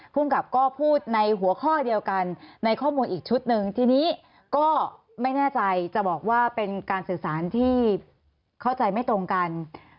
ภูมิกับก็พูดในหัวข้อเดียวกันในข้อมูลอีกชุดหนึ่งทีนี้ก็ไม่แน่ใจจะบอกว่าเป็นการสื่อสารที่เข้าใจไม่ตรงกัน